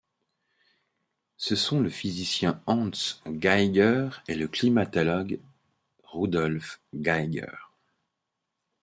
Ce sont le physicien Hans Geiger et le climatologue Rudolf Geiger.